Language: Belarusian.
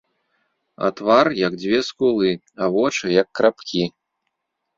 А твар, як дзве скулы, а вочы, як крапкі.